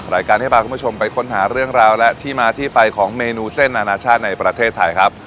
รายการให้พาคุณผู้ชมไปค้นหาเรื่องราวและที่มาที่ไปของเมนูเส้นอนาชาติในประเทศไทยครับ